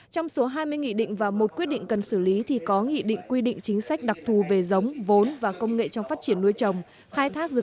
trong số hai mươi nghị định và một quyết định cần xử lý thì có nghị định quy định chính sách đặc thù về giống vốn và công nghệ trong phát triển nuôi trồng